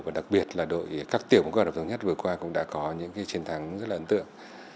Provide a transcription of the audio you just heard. và đặc biệt là đội các tiểu của cộng đồng bộ hà nội vừa qua cũng đã có những chiến thắng rất là ấn tượng